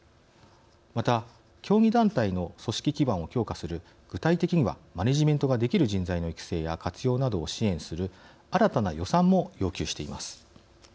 また、競技団体の組織基盤を強化する具体的にはマネジメントができる人材の育成や活用などを支援する新たな予算も要求しています。